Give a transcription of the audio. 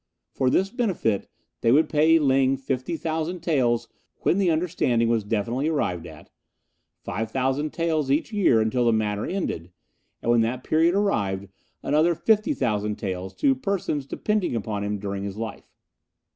For this benefit they would pay Ling fifty thousand taels when the understanding was definitely arrived at, five thousand taels each year until the matter ended, and when that period arrived another fifty thousand taels to persons depending upon him during his life.